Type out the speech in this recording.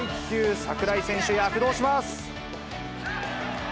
櫻井選手、躍動します。